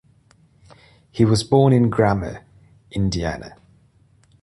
He was born in Grammer, Indiana.